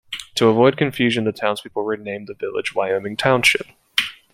To avoid confusion the townspeople renamed the village Wyoming Township.